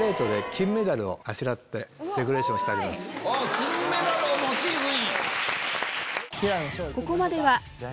金メダルをモチーフに！